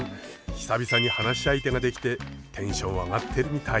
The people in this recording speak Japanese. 久々に話し相手ができてテンション上がってるみたい。